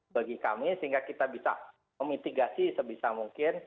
bagi kami sehingga kita bisa memitigasi sebisa mungkin